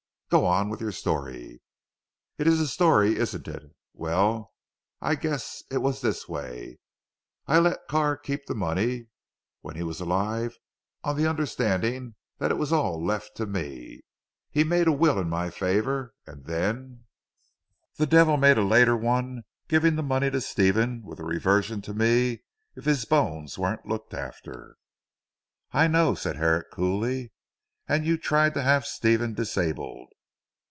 "Go on with your story." "It is a story isn't it. Well I guess it was this way. I let Carr keep the money, when he was alive on the understanding that it was all left to me. He made a will in my favour, and then, the devil made a later one giving the money to Stephen with a reversion to me if his bones weren't looked after." "I know," said Herrick coolly, "and you tried to have Stephen disabled."